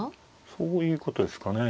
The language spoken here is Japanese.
そういうことですかね。